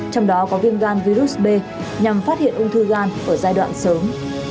trong đó có viêm gan virus b nhằm phát hiện ung thư gan ở giai đoạn sớm